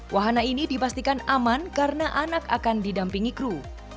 wahana ini dipastikan aman karena anak akan didampingi kru